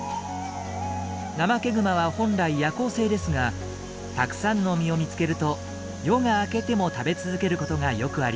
ナマケグマは本来夜行性ですがたくさんの実を見つけると夜が明けても食べ続けることがよくあります。